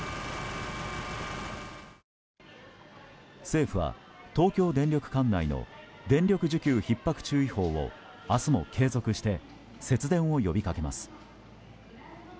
政府は、東京電力管内の電力需給ひっ迫注意報を明日も継続して節電を呼びかけます。